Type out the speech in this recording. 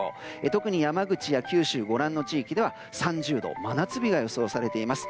特に山口や九州ご覧の地域では３０度の真夏日が予想されています。